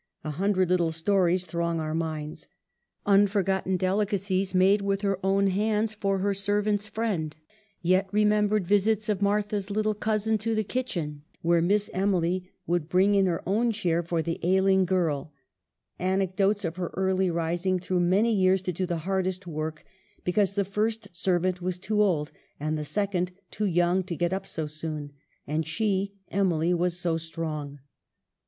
A hundred little stories throng our minds. Unforgotten delicacies made with her own hands for her servant's friend, yet remembered visits of Martha's little cousin to the kitchen, where Miss Emily would bring in her 'SHIRLEY: 285 own chair for the ailing girl ; anecdotes of her early rising through many years to do the hard est work, because the first servant was too old, and the second too young to get up so soon ; and she, Emily, was so strong.